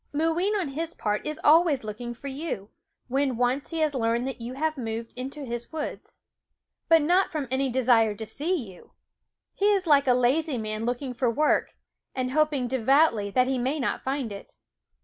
143 144 l& SCHOOL OF Mooween, on his part, is always looking fij, y *j "", for you, when once he has learned that you Seor nave moved into his woods. But not from any desire to see you ! He is like a lazy man looking for work, and hoping devoutly that he may not find it.